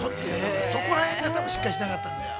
◆そこら辺がしっかりしてなかったんだよ。